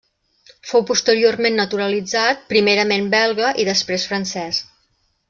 Fou posteriorment naturalitzat primerament belga i després francès.